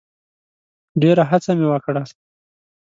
ډېره هڅه مي وکړه .